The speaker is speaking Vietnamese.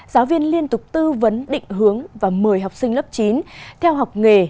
giáo viên liên tục tư vấn định hướng và mời học sinh lớp chín theo học nghề